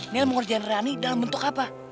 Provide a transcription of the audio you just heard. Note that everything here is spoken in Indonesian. nel mau ngerjain rani dalam bentuk apa